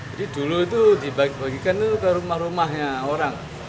jadi dulu itu dibagikan ke rumah rumahnya orang